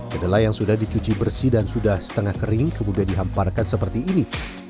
kedelai yang sudah dicuci bersih dan sudah setengah kering kemudian dihamparkan seperti ini